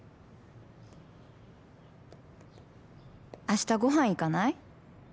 明日ごはん行かない？